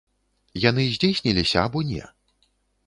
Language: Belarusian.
Яны здзейсніліся або не?